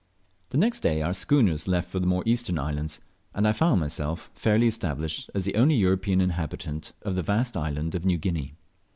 The next day our schooner left for the more eastern islands, and I found myself fairly established as the only European inhabitant of the vast island of New Guinea.